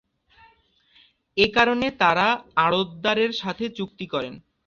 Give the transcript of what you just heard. এ কারণে তারা আড়তদারের সাথে চুক্তি করেন।